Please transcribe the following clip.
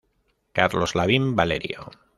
Carlos Lavín Valerio.